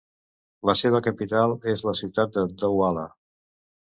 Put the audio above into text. La seva capital és la ciutat de Douala.